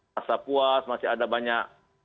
rasa puas masih ada banyak